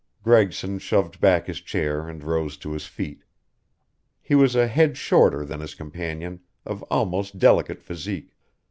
Gregson shoved back his chair and rose to his feet. He was a head shorter than his companion, of almost delicate physique.